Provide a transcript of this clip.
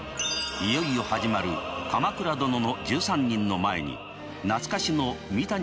いよいよ始まる「鎌倉殿の１３人」の前に懐かしの三谷幸喜作品をスペシャルで。